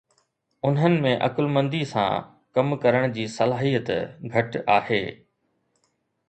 انهن ۾ عقلمندي سان ڪم ڪرڻ جي صلاحيت گهٽ آهي